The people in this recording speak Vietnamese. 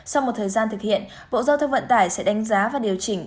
sau một thời gian thực hiện bộ giao thông vận tải sẽ đánh giá và điều chỉnh